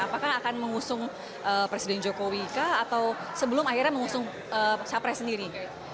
apakah akan mengusung presiden jokowi kah atau sebelum akhirnya mengusung capres sendiri